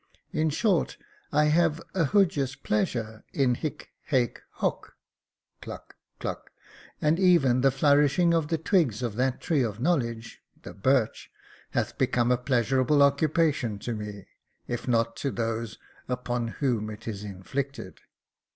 In short, I have a hujus pleasure in hie, hac, hoc; [cluck, cluck] and even the flourishing of the twigs of that tree of knowledge, the birch, hath become a pleasurable occupation to me, if not to those upon whom it is inflicted.